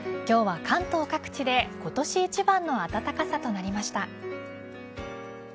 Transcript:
今日は関東各地で今年一番の暖かさとなりました。